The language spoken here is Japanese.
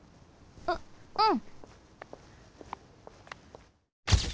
ううん。